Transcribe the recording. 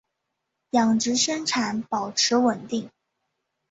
养殖业生产保持稳定。